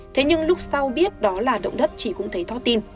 thế nhưng lúc sau biết đó là động đất chị cũng thấy tho tim